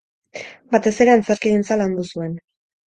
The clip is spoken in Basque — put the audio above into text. Batez ere antzerkigintza landu zuen.